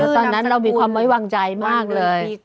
ตอนนั้นเรามีความไว้วางใจมากเลย